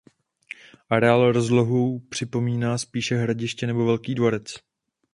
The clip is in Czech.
Areál rozlohou připomíná spíše hradiště nebo velký dvorec.